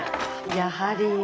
やはり。